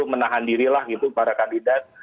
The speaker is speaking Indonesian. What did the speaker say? menahan dirilah gitu para kandidat